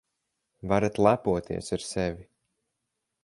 Varat lepoties ar sevi.